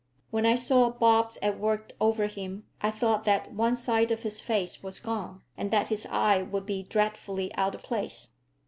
When I saw Bobbs at work over him I thought that one side of his face was gone, and that his eye would be dreadfully out of place.